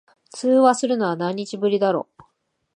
通話するの、何日ぶりだろ。